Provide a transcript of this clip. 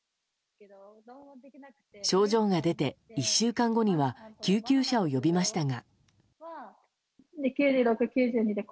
症状が出て１週間後には救急車を呼びましたが。